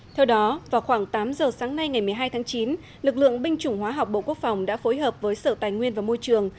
theo đó vào khoảng tám giờ sáng nay ngày một mươi hai tháng chín lực lượng binh chủng hóa học bộ quốc phòng đã phối hợp với sở tài nguyên và môi trường